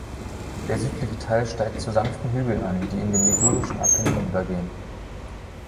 Der südliche Teil steigt zu sanften Hügeln an, die in den Ligurischen Apennin übergehen.